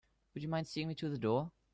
Would you mind seeing me to the door?